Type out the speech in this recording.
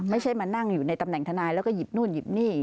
ไม่ใช่มานั่งอยู่ในตำแหน่งทนายแล้วก็หยิบนู่นหยิบนี่